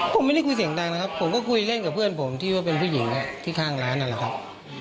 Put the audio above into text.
ผมไม่ได้คุยเสียงดังนะครับผมก็คุยเล่นกับเพื่อนผมที่ว่าเป็นผู้หญิงที่ข้างร้านนั่นแหละครับ